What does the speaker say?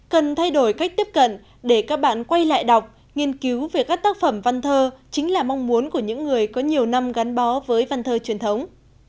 cần thay đổi cách tiếp cận để các bạn quay lại đọc nghiên cứu về các tác phẩm văn thơ chính là mong muốn của những người có nhiều năm gắn bó với văn thơ truyền thống